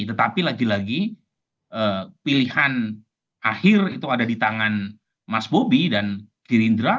tetapi lagi lagi pilihan akhir itu ada di tangan mas bobi dan gerindra